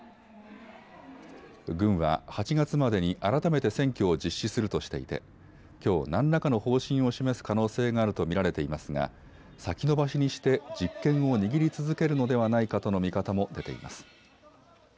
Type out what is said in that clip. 軍は８月までに改めて選挙を実施するとしていて、きょう何らかの方針を示す可能性があると見られていますが先延ばしにして実権を握り続けるのではないかとの見方も出ています。